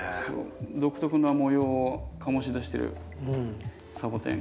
独特な模様を醸し出してるサボテン。